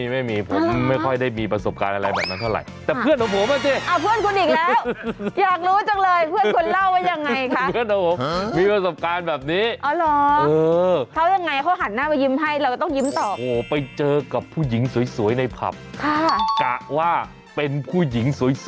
ไม่มีผมไม่ค่อยได้มีประสบการณ์อะไรแบบนั้นเท่าไร